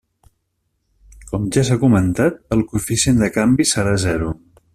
Com ja s'ha comentat, el coeficient de canvi serà zero.